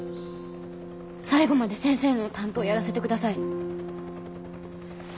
最後まで先生の担当やらせて下さい。